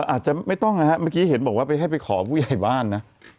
อาจจะไม่ต้องนะฮะเมื่อกี้เห็นบอกว่าไปให้ไปขอผู้ใหญ่บ้านนะ